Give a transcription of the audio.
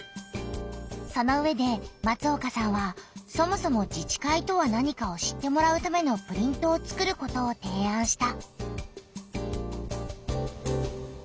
そのうえで松岡さんはそもそも自治会とは何かを知ってもらうためのプリントを作ることをていあんした。